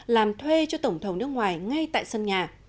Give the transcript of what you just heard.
làm thuê cho tổng thầu nước ngoài ngay tại sân nhà